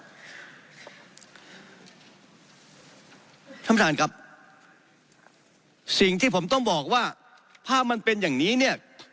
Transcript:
ท่านประธานครับสิ่งที่ผมต้องบอกว่าถ้ามันเป็นอย่างนี้เนี่ย